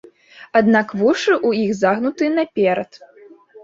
Аднак вушы ў іх загнутыя наперад.